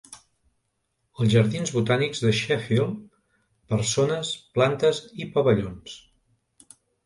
Els jardins botànics de Sheffield: persones, plantes i pavellons.